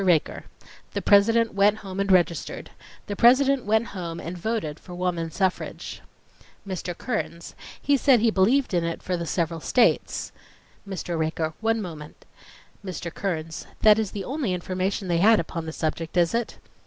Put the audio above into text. RAKER: The President went home and registered. The President went home and voted for woman suffrage. MR. KEARNS: He said he believed in it for the several states .... MR. RAKER: One moment—— MR. KEARNS : That is the only information they had upon the subject, is it?